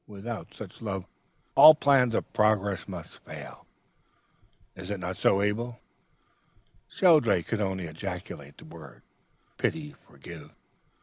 Without such love, all plans of progress must fail. Is it not so, Abel?'" "Shelldrake could only ejaculate the words, 'Pity!' 'Forgive!'